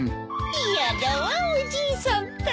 いやだわおじいさんったら。